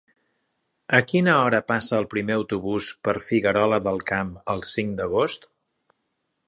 A quina hora passa el primer autobús per Figuerola del Camp el cinc d'agost?